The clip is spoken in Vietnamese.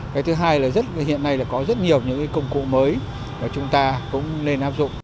cái thứ hai là hiện nay là có rất nhiều những công cụ mới mà chúng ta cũng nên áp dụng